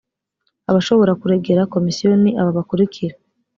abashobora kuregera komisiyo ni aba bakurikira